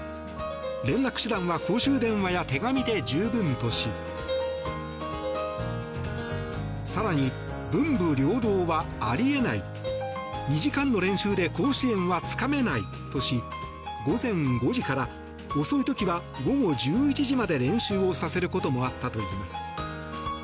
連絡手段は公衆電話や手紙で十分とし更に、文武両道はあり得ない２時間の練習で甲子園はつかめないとし午前５時から遅い時は午後１１時まで練習をさせることもあったといいます。